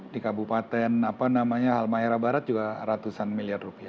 di kabupaten halmahera barat juga ratusan miliar rupiah